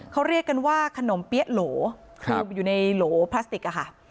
เขาเรียกกันว่าขนมเปี๊ยะโหลอยู่ในโหลพลาสติกอะค่ะ